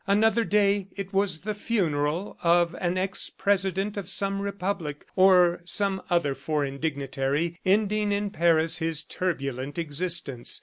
Another day it was the funeral of an ex president of some republic, or some other foreign dignitary ending in Paris his turbulent existence.